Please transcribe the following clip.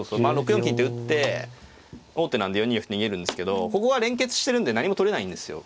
６四金って打って王手なんで４二玉逃げるんですけどここが連結してるんで何も取れないんですよ。